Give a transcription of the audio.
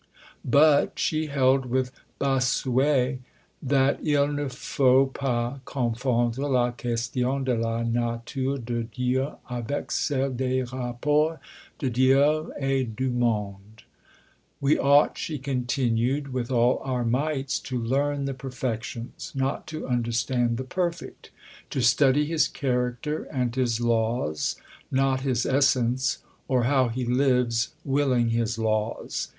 " But she held with Bossuet that il ne faut pas confondre la question de la nature de Dieu avec celle des rapports de Dieu et du monde. "We ought," she continued, "with all our mights to learn the perfections, not to understand the Perfect to study His character and His laws, not His essence, or how He lives willing His laws.